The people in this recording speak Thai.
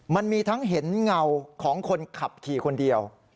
มันมีทั้งเห็นเงาของคนขับขี่คนเดียว